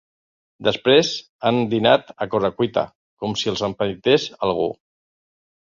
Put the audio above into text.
Després han dinat a corre-cuita, com si els empaités algú.